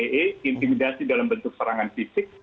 intimidasi dalam bentuk serangan fisik